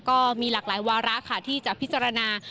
ก็มีหลากหลายวาระค่ะที่จะพิจารณา